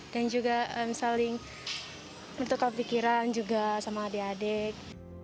dan juga saling bertukar pikiran juga sama adik adik